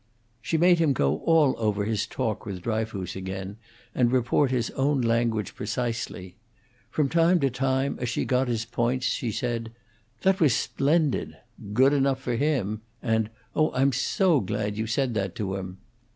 She made him go all over his talk with Dryfoos again, and report his own language precisely. From time to time, as she got his points, she said, "That was splendid," "Good enough for him!" and "Oh, I'm so glad you said that to him!"